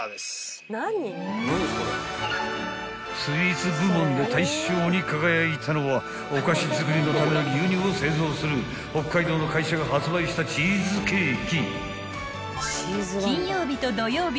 ［スイーツ部門で大賞に輝いたのはお菓子作りのための牛乳を製造する北海道の会社が発売したチーズケーキ］